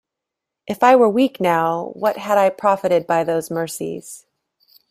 If I were weak now, what had I profited by those mercies?